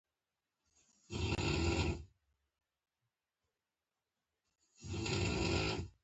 څنګه کولی شم د بریښنا بل کم کړم